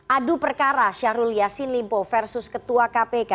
adu perkara syahrul yassin limpo versus ketua kpk